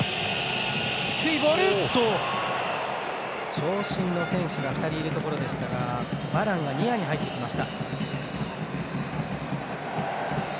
長身の選手が２人いるところでしたがバランがニアに入ってきました。